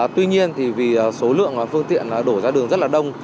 tuy nhiên thì vì số lượng phương tiện đổ ra đường rất là đông